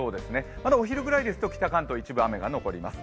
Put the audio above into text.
まだお昼ぐらいですと北関東、一部雨が残ります。